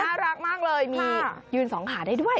น่ารักมากเลยมียืนสองขาได้ด้วย